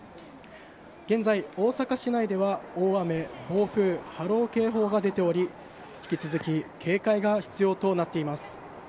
現在、大阪市内では大雨、暴風、波浪警報が出ており引き続き警戒が必要となっています。